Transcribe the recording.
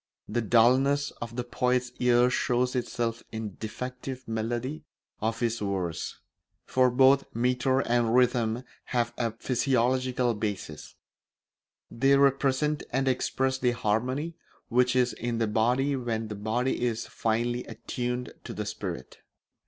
The dulness of the poet's ear shows itself in the defective melody of his verse; for both metre and rhythm have a physiological basis; they represent and express the harmony which is in the body when the body is finely attuned to the spirit.